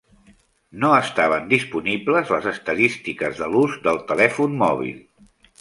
No estaven disponibles les estadístiques de l'ús del telèfon mòbil.